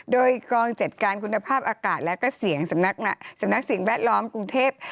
โดยกองจัดการคุณภาพอากาศและก็เสียงสำนักสิ่งแวดล้อมกรุงเทพ